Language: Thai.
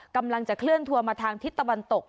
กำลังจะเคลื่อนทัวร์มาทางทิศตะวันตก